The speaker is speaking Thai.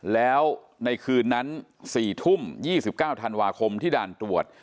แล้วในคืนนั้น๔ทุ่ม๒๙ธันวาคมที่ด่านตรวจ